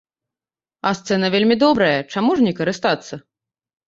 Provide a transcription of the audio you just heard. А сцэна вельмі добрая, чаму ж не карыстацца?!